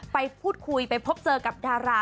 ไปพูดคุยไปพบเจอกับดารา